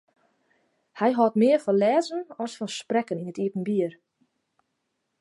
Hy hâldt mear fan lêzen as fan sprekken yn it iepenbier.